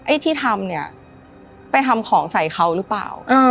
ไอ้ที่ทำเนี่ยไปทำของใส่เขาหรือเปล่า